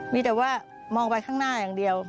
มีแต่ว่ามองไปข้างหน้าอย่างเดียว